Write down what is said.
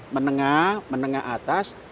menengah menengah atas